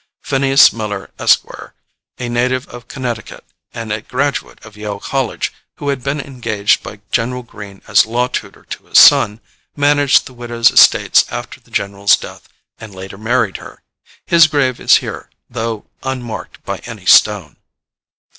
Phineas Miller, Esq., a native of Connecticut and a graduate of Yale College, who had been engaged by General Greene as law tutor to his son, managed the widow's estates after the general's death, and later married her. His grave is here, though unmarked by any stone.